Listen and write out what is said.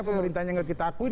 pemerintahnya gak kita akuin